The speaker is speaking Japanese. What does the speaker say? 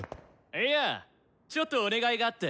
いやちょっとお願いがあって。